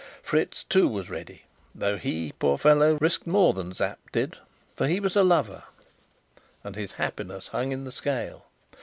Fritz, too, was ready; though he, poor fellow, risked more than Sapt did, for he was a lover, and his happiness hung in the scale.